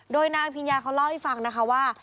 โดยนางอภิญญาเขาเล่าให้ฟังนะคะว่า